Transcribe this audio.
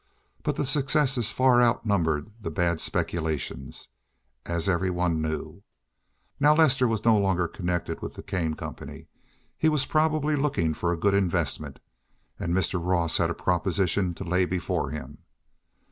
But the successes far outnumbered the bad speculations, as every one knew. Now Lester was no longer connected with the Kane Company. He was probably looking for a good investment, and Mr. Ross had a proposition to lay before him.